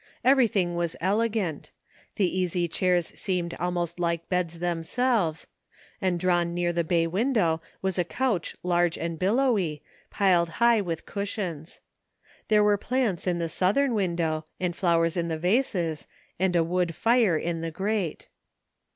Everything was ele gant; the easy chairs seemed almost like beds themselves, and drawn near the bay window was a couch large and billowy, piled high with cushions. There were plants in the southern window, and flowers in the vases, and a wood fire in the grate.